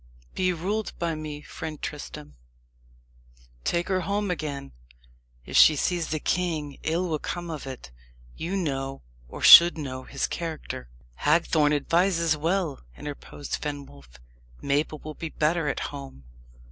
Be ruled by me, friend Tristram take her home again. If she sees the king, ill will come of it. You know, or should know, his character." "Hagthorne advises well," interposed Fenwolf. "Mabel will be better at home."